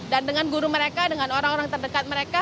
dan dengan guru mereka dengan orang orang terdekat mereka